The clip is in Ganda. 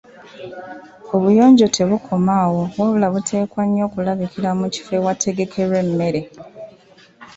Obuyonjo tebukoma awo wabula buteekwa nnyo okulabikira mu kifo awategekerwa emmere.